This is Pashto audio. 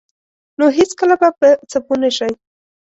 نو هیڅکله به په څه پوه نشئ.